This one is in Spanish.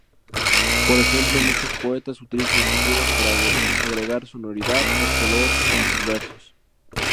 Por ejemplo muchos poetas utilizan adjetivos para agregar sonoridad o color a sus versos.